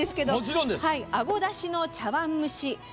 「あごだしの茶わん蒸し」。